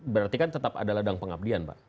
berarti kan tetap ada ladang pengabdian pak